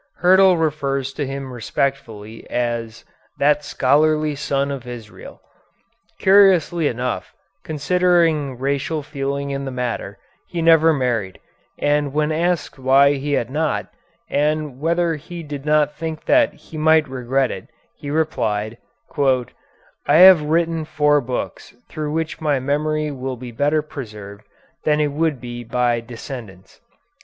Hyrtl refers to him respectfully as "that scholarly son of Israel." Curiously enough, considering racial feeling in the matter, he never married, and when asked why he had not, and whether he did not think that he might regret it, he replied, "I have written four books through which my memory will be better preserved than it would be by descendants."